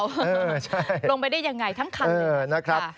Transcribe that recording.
ลงไปได้ยังไงทั้งคัน